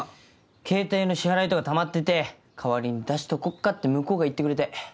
ケータイの支払いとかたまってて「代わりに出しとこっか」って向こうが言ってくれて。